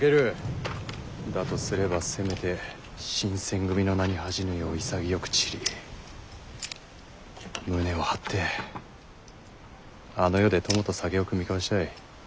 だとすればせめて新選組の名に恥じぬよう潔く散り胸を張ってあの世で友と酒を酌み交わしたい。